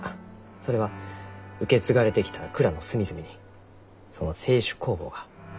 それは受け継がれてきた蔵の隅々にその清酒酵母が住んじょ